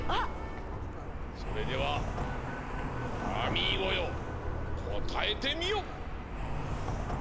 それではあみーゴよこたえてみよ！